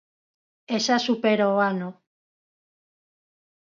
E xa supera o ano.